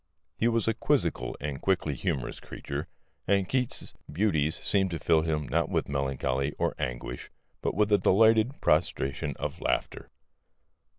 He was a quizzical and quickly humorous creature, and Keats's beauties seemed to fill him not with melancholy or anguish, but with a delighted prostration of laughter.